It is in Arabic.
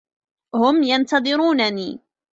هم ينتظرونني.